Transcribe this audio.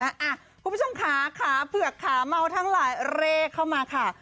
คุณผู้ชมขาขาเผือกขาเมาทั้งหลายเร่เข้ามาค่ะ